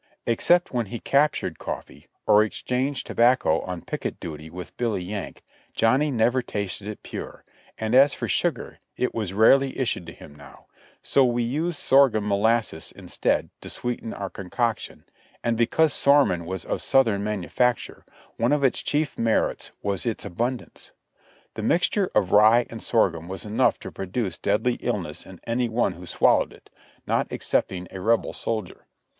Except when he captured coffee, or exchanged tobacco on picket duty with Billy Yank, Johnny never tasted it pure; and as for sugar, it was rarely issued to him now, so we used sorghum molasses instead, to sweeten our concoction, and because sorghum was of Southern manufacture, one of its chief merits was its abundance. The mixture of rye and sorghum was enough to pro duce deadly illness in any one who swallowed it, not excepting a THE NEXT DAY I47 Rebel soldier.